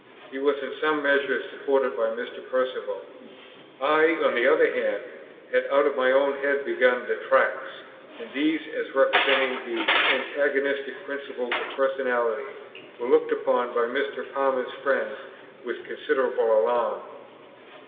He was in some measure supported by Mr. Perceval. I, on the other hand, had out of my own head begun the Tracts; and these, as representing the antagonist principle of personality, were looked upon by Mr. Palmer's friends with considerable alarm.